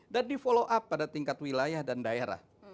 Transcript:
dan di follow up pada tingkat wilayah dan daerah